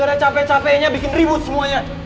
karena capek capeknya bikin ribut semuanya